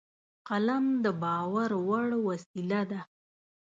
قلم د باور وړ وسیله ده